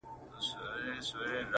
له مړاني څخه خلاص قام د کارګانو!